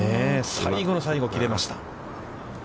最後の最後、切れました。